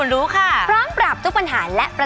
สดุดีมหาราชแห่งชาติไทยรัฐ